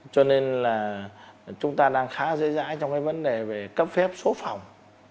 cho nên là chúng ta đang khá dễ dãi trong cái vấn đề về cấp phép số phòng